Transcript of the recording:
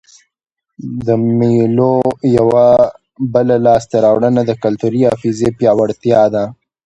د مېلو یوه بله لاسته راوړنه د کلتوري حافظې پیاوړتیا ده.